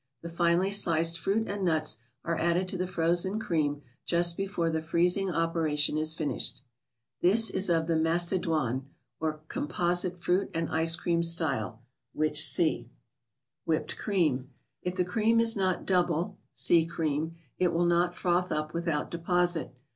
The finely sliced fruit and nuts are added to the frozen cream just before the freezing operation is finished. This is of the " Macedoine," or composite fruit and ice¬ cream style, which see. aaihfppeD cream, Ifthecream isnot " double '' 7 (see Ct'eain) it will not froth up without deposit.